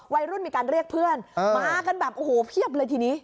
วัยรุ่นมีการเรียกเพื่อนมากันแบบโอ้โหเพียบเลยทีนี้